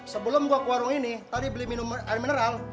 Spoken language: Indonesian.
sebelum gue ke warung ini tadi beli minum air mineral